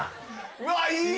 うわいい！